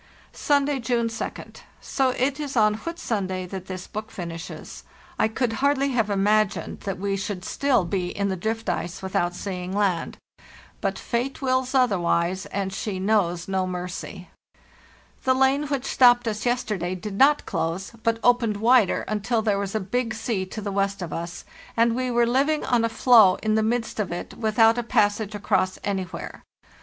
"Sunday, June 2d. So it is on Whitsunday that this book* finishes. I could hardly have imagined that we * It was the first diary I used on the sledge journey. BY SLEDGE AND KAVAK 239 should still be in the drift ice without seeing land; but Fate wills otherwise, and she knows no mercy. "The lane which stopped us yesterday did not close, but opened wider until there was a big sea to the west of us, and we were living on a floe in the midst of it with out a passage across anywhere.